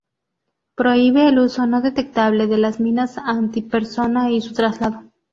Prohíbe el uso no detectable de las minas antipersona y su traslado.